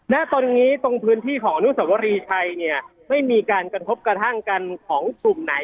ณตอนนี้ตรงพื้นที่ของอนุสวรีชัยเนี่ยไม่มีการกระทบกระทั่งกันของกลุ่มไหน